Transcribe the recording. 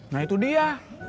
nah itu dia